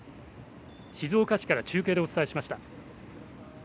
静岡市から中継でお伝えしました。